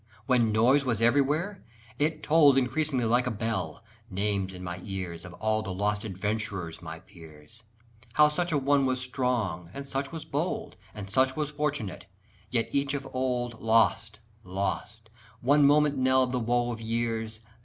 when noise was everywhere! it tolled Increasing like a bell. Names in my ears Of all the lost adventurers my peers, How such a one was strong, and such was bold, And such was fortunate, yet each of old Lost, lost! one moment knelled the woe of years.